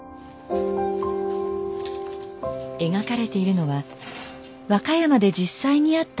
描かれているのは和歌山で実際にあった出来事。